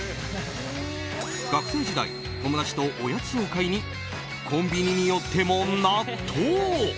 学生時代、友達とおやつを買いにコンビニに寄っても納豆。